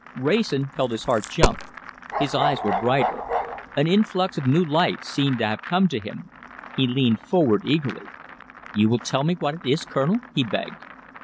Wrayson felt his heart jump. His eyes were brighter. An influx of new life seemed to have come to him. He leaned forward eagerly. "You will tell me what it is, Colonel?" he begged.